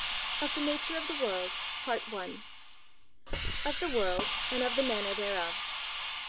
OF THE NATURE OF THE WORLD. Of the World, and of the Manner thereof.